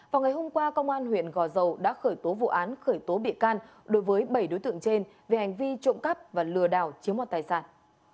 vào ngày hôm qua công an huyện gò dầu đã khởi tố vụ án khởi tố bị can đối với bảy đối tượng trên về hành vi trộm cắp và lừa đảo chiếm hoạt tài sản